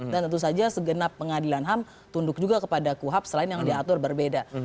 dan tentu saja segenap pengadilan ham tunduk juga kepada kuhap selain yang diatur berbeda